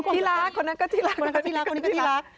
ที่รักคนนั้นก็ที่รักคนนั้นก็ที่รัก